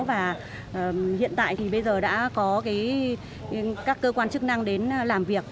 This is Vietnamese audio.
và hiện tại thì bây giờ đã có các cơ quan chức năng đến làm việc